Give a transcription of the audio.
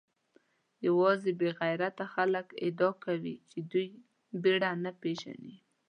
یوازې بې غیرته خلک ادعا کوي چې دوی بېره نه پېژني.